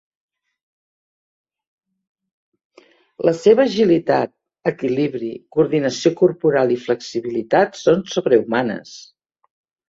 La seva agilitat, equilibri, coordinació corporal i flexibilitat són sobrehumanes.